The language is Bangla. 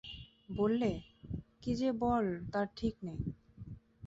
বললে, কী যে বল তার ঠিক নেই।